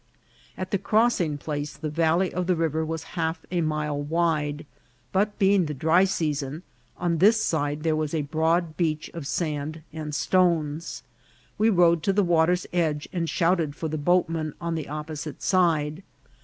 At the crossing place the valley of the river was half a mile wide ; but being the dry season, on this side there was a broad beach of sand and stones. We rode to the water's edge, and shouted for the boatman on the opposite side.